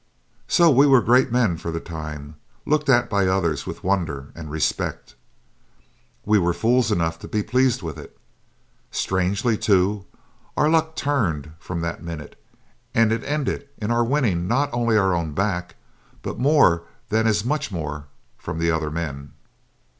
So we were great men for the time, looked at by the others with wonder and respect. We were fools enough to be pleased with it. Strangely, too, our luck turned from that minute, and it ended in our winning not only our own back, but more than as much more from the other men.